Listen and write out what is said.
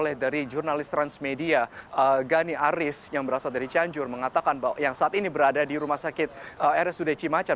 oleh dari jurnalis transmedia gani aris yang berasal dari cianjur mengatakan bahwa yang saat ini berada di rumah sakit rsud cimacan